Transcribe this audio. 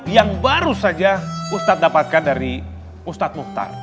yang baru saja ustadz dapatkan dari ustadz mukhtar